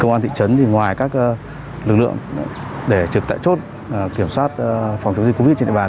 công an thị trấn thì ngoài các lực lượng để trực tại chốt kiểm soát phòng chống dịch covid trên địa bàn